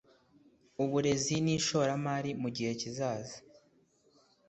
Uburezi nishoramari mugihe kizaza.